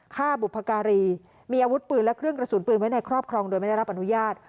ฆ่าบุพการีมีอาวุธปืนและเครื่องกระสุนปืนไว้ในครอบครองโดยไม่ได้รับอนุญาต